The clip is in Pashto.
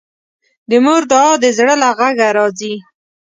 د مور دعا د زړه له غږه راځي